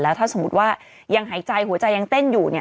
ถ้าสมมุติว่ายังหายใจหัวใจยังเต้นอยู่เนี่ย